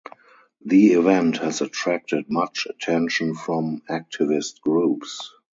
The event has attracted much attention from activist groups.